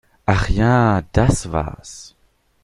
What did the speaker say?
Ach ja, das war's!